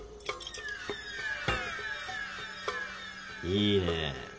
いいねえ。